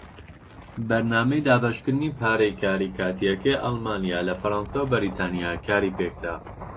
بەرنامەی دابەشکردنی پارەی کاری کاتیەکەی ئەڵمانیا لە فەڕەنسا و بەریتانیا کاری پێکرا.